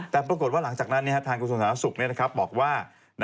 แต่ปรากฏว่าหลังจากนั้นเนี่ยทางคุณสมสาธารณสุขเนี่ยนะครับบอกว่า